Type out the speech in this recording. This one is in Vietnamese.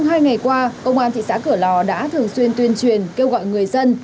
trên ngày qua công an thị xã cửa lò đã thường xuyên tuyên truyền kêu gọi người dân